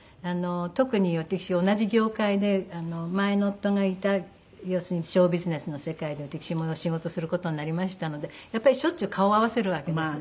特に私同じ業界で前の夫がいた要するにショービジネスの世界で私も仕事する事になりましたのでやっぱりしょっちゅう顔合わせるわけです。